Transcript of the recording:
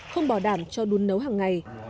không bảo đảm cho đun nấu hàng ngày